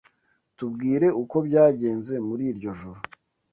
Tubwire uko byagenze muri iryo joro.